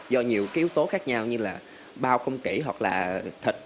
do nhiều cái yếu tố khác nhau như là bao không kỹ hoặc là thịt